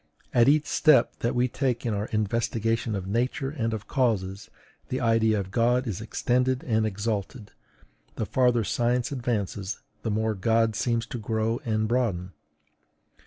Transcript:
At each step that we take in our investigation of Nature and of causes, the idea of God is extended and exalted; the farther science advances, the more God seems to grow and broaden.